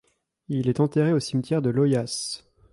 Il est enterré au cimetière de Loyasse.